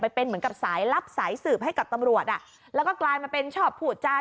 เป็นเหมือนกับสายลับสายสืบให้กับตำรวจอ่ะแล้วก็กลายมาเป็นชอบพูดจา